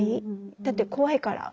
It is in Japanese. だって怖いから。